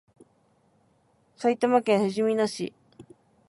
埼玉県ふじみ野市